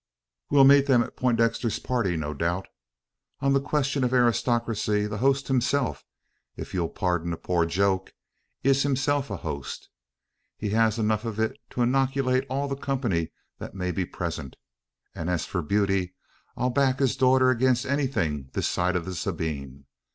We'll meet them at Poindexter's party, no doubt. On the question of aristocracy, the host himself, if you'll pardon a poor joke, is himself a host. He has enough of it to inoculate all the company that may be present; and as for beauty, I'll back his daughter against anything this side the Sabine.